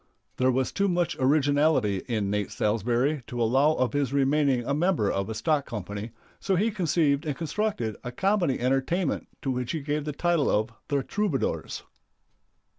There was too much originality in Nate Salsbury to allow of his remaining a member of a stock company, so he conceived and constructed a comedy entertainment to which he gave the title of "The Troubadours."